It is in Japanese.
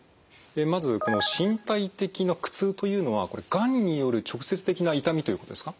まずこの身体的な苦痛というのはこれがんによる直接的な痛みということですか？